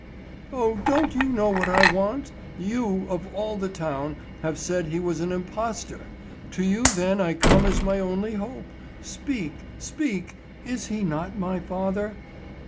"O don't you know what I want? You, of all the town, have said he was an impostor! To you then I come as to my only hope; speak, speak, is he not my father?"